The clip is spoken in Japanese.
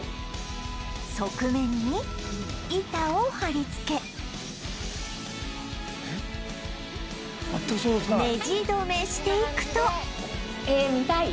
側面に板を張りつけネジどめしていくと見たい？